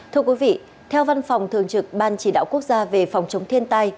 thưa quý vị theo văn phòng thường trực ban chỉ đạo quốc gia về phòng chống thiên tai